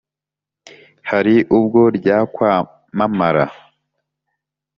Hari ubwo ryakwamamara